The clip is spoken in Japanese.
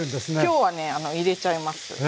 今日はね入れちゃいます。